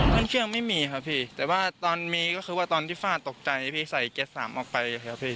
เครื่องไม่มีครับพี่แต่ว่าตอนมีก็คือว่าตอนที่ฝ้าตกใจพี่ใส่แก๊สสามออกไปครับพี่